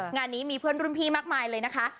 งานนี้มีเพื่อนรุ่นพี่มากมายเลยนะคะ